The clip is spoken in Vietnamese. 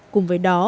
cùng với đó